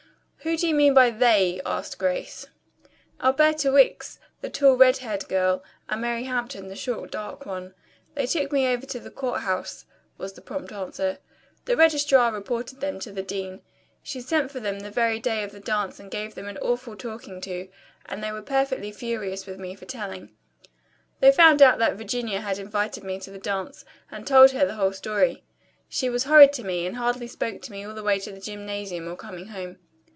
"Who do you mean by 'they'?" asked Grace. "Alberta Wicks, the tall red haired girl, and Mary Hampton, the short dark one. They took me over to the court house," was the prompt answer. "The registrar reported them to the dean. She sent for them the very day of the dance and gave them an awful talking to and they were perfectly furious with me for telling. They found out that Virginia had invited me to the dance, and told her the whole story. She was horrid to me, and hardly spoke to me all the way to the gymnasium or coming home.